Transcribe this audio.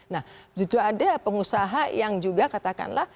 nah juga ada pengusaha yang juga katakanlah